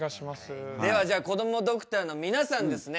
ではじゃこどもドクターの皆さんですね